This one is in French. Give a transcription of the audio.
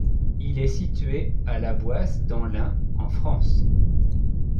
Il est situé à La Boisse dans l'Ain, en France.